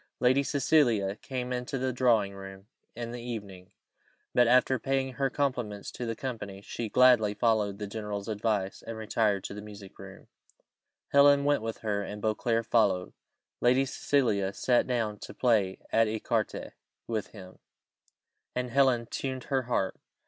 Lady Cecilia came into the drawing room in the evening; but, after paying her compliments to the company, she gladly followed the general's advice, and retired to the music room: Helen went with her, and Beauclerc followed. Lady Cecilia sat down to play at ecarté with him, and Helen tuned her harp.